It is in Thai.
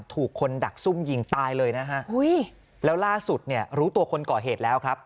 ถูกคนดักซุ่มยิงตายเลยนะฮะแล้วล่าสุดรู้ตัวคนเกาะเหตุแล้วครับ